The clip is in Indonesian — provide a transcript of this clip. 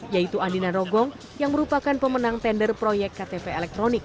yaitu andina rogong yang merupakan pemenang tender proyek ktp elektronik